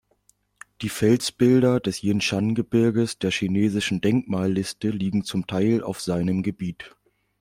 Die Felsbilder des Yinshan-Gebirges der chinesischen Denkmalliste liegen zum Teil auf seinem Gebiet.